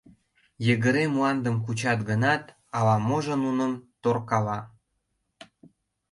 Йыгыре мландым кучат гынат, ала-можо нуным торкала.